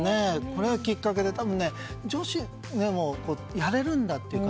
これをきっかけに女子でもやれるんだと。